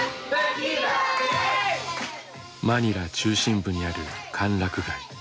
マニラ中心部にある歓楽街。